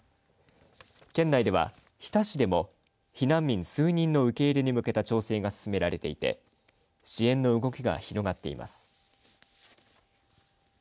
県内では、日田市でも避難民数人の受け入れに向けた調整が進められていて支援の動きが広がっています。